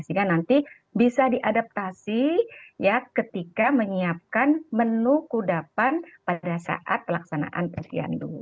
sehingga nanti bisa diadaptasi ketika menyiapkan menu kudapan pada saat pelaksanaan posyandu